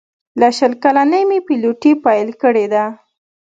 له شل کلنۍ مې پیلوټي پیل کړې ده.